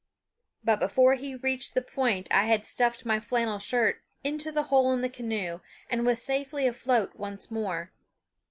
But before he reached the point I had stuffed my flannel shirt into the hole in the canoe and was safely afloat once more.